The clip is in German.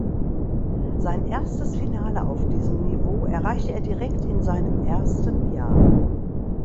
Sein erstes Finale auf diesem Niveau erreichte er direkt in seinem ersten Jahr.